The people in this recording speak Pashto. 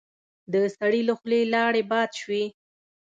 د سړي له خولې لاړې باد شوې.